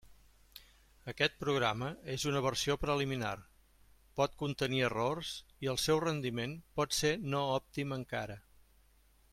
Aquest programa és una versió preliminar, pot contenir errors i el seu rendiment pot ser no òptim encara.